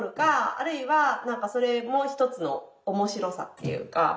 あるいはなんかそれも一つの面白さっていうか。